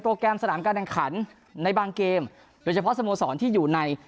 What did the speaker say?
แกรมสนามการแข่งขันในบางเกมโดยเฉพาะสโมสรที่อยู่ใน